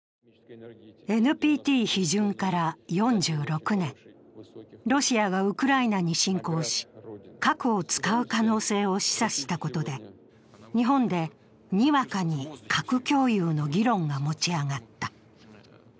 ＮＰＴ批准から４６年、ロシアがウクライナに侵攻し核を使う可能性を示唆したことで日本でにわかに核共有の議論が持ち上がった。